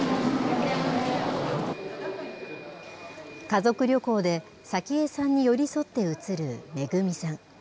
家族旅行で、早紀江さんに寄り添って写るめぐみさん。